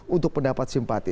untuk pendapat simpati